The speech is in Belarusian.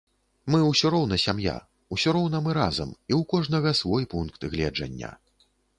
Мы ўсё роўна сям'я, усё роўна мы разам, і ў кожнага свой пункт гледжання.